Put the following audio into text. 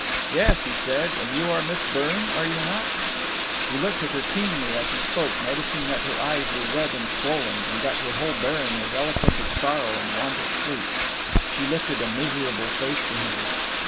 "Yes," he said; "and you are Miss Byrne, are you not?" He looked at her keenly as he spoke, noticing that her eyes were red and swollen, and that her whole bearing was eloquent of sorrow and want of sleep. She lifted a miserable face to him.